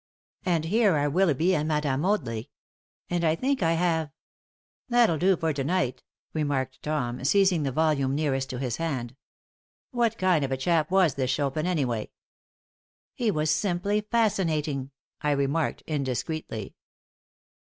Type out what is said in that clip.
And here are Willeby and Mme. Audley. And I think I have " "That'll do for to night," remarked Tom, seizing the volume nearest to his hand. "What kind of a chap was this Chopin, anyway?" "He was simply fascinating," I remarked, indiscreetly.